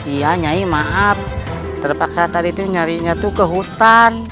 iya nyari maaf terpaksa tadi tuh nyarinya tuh ke hutan